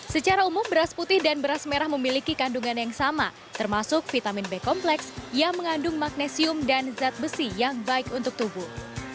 secara umum beras putih dan beras merah memiliki kandungan yang sama termasuk vitamin b kompleks yang mengandung magnesium dan zat besi yang baik untuk tubuh